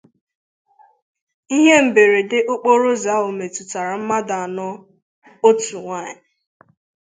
Ihe mberede okporo ụzọ ahụ metụtàrà mmadụ anọ —otu nwaanyị